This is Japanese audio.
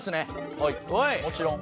はいもちろん。